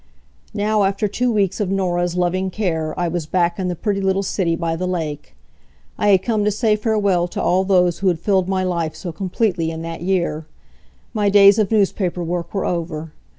Now, after two weeks of Norah's loving care, I was back in the pretty little city by the lake. I had come to say farewell to all those who had filled my life so completely in that year. My days of newspaper work were over.